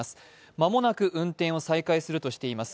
間もなく運転を再開するとしています。